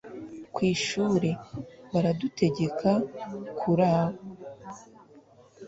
kw'ishure, baradutegeka kuraba